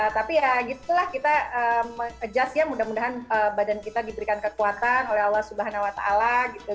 tapi ya gitu lah kita adjust ya mudah mudahan badan kita diberikan kekuatan oleh allah swt gitu